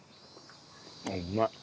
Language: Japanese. あっうまい。